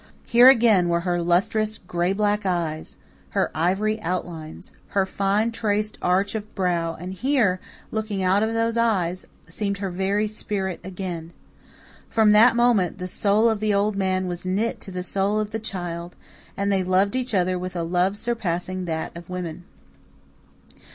Here again were her lustrous gray black eyes, her ivory outlines, her fine traced arch of brow; and here, looking out of those eyes, seemed her very spirit again. From that moment the soul of the old man was knit to the soul of the child, and they loved each other with a love surpassing that of women.